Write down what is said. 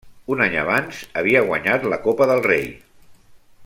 Un any abans havia guanyat la Copa del Rei.